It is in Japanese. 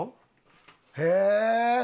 へえ。